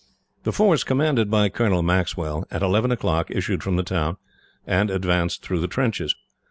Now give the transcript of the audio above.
The force, commanded by Colonel Maxwell, at eleven o'clock issued from the town and advanced through the trenches.